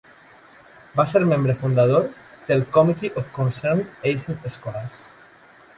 Va ser membre fundador del Committee of Concerned Asian Scholars.